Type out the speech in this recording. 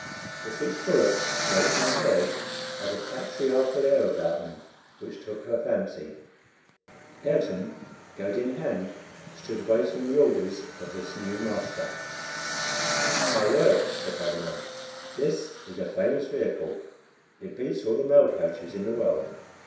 The six bullocks, yoked in pairs, had a patriarchal air about them which took her fancy. Ayrton, goad in hand, stood waiting the orders of this new master. "My word," said Paganel, "this is a famous vehicle; it beats all the mail coaches in the world.